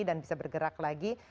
dan bisa bergerak lagi